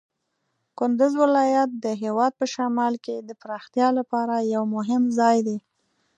کندز ولایت د هېواد په شمال کې د پراختیا لپاره یو مهم ځای دی.